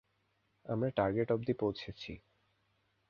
আমরা টার্গেট অব্ধি পৌঁছেছি।